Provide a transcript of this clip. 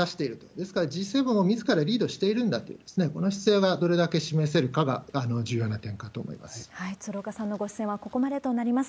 ですから、Ｇ７をみずからリードしているんだという、この姿勢がどれだけ示せるかが重要な点かと鶴岡さんのご出演はここまでとなります。